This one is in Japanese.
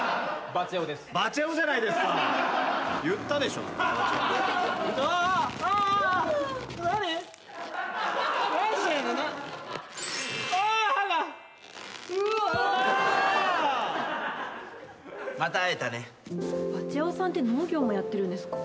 バチェ男さんって農業もやってるんですか？